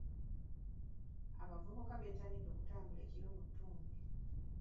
Abavubuka bettanidde okutambula ekiro mu ttumbi.